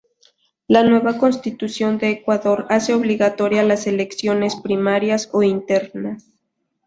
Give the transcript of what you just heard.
La nueva constitución de Ecuador hace obligatoria las elecciones primarias o internas.